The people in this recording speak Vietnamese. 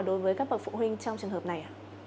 đối với các bậc phụ huynh trong trường hợp này